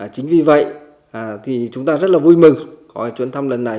chính vì vậy chúng ta rất vui mừng có chuyến thăm lần này